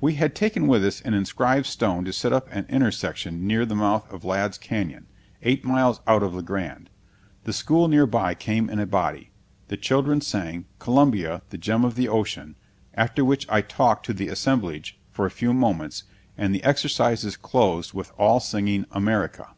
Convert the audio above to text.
We had taken with us an inscribed stone to set up at an intersection near the mouth of Ladd's Canyon, eight miles out of La Grande. The school near by came in a body. The children sang "Columbia, the Gem of the Ocean," after which I talked to the assemblage for a few moments, and the exercises closed with all singing "America."